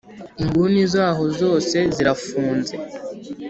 inguni zaho zose zirafunze